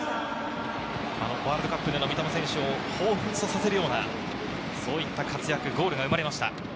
ワールドカップでの三笘選手を彷彿とさせるような、そういった活躍、ゴールが生まれました。